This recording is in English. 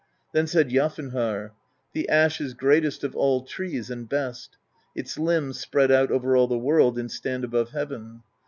Then said Jafnharr: "The Ash is greatest of all trees and best : its limbs spread out over all the world and stand above heaven.